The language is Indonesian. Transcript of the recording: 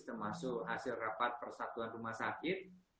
termasuk hasil rapat persatuan rumah sakit